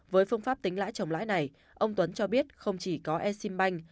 với phương pháp tính lãi chậm lãi này ông tuấn cho biết không chỉ có e sim banh